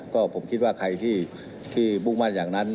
ก็ผมคิดว่าใครที่มุ่งมั่นอย่างนั้น